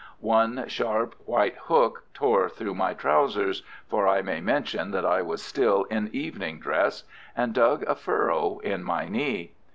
One sharp, white hook tore through my trousers—for I may mention that I was still in evening dress—and dug a furrow in my knee.